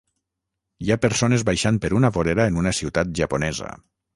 Hi ha persones baixant per una vorera en una ciutat japonesa.